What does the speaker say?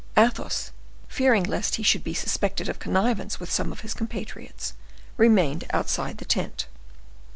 Athos, fearing lest he should be suspected of connivance with some of his compatriots, remained outside the tent.